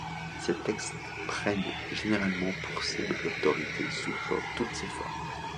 Ses textes prennent généralement pour cible l'autorité sous toutes ses formes.